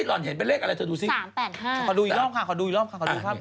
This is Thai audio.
ขอดูอีกรอบค่ะขอดูอีกรอบค่ะ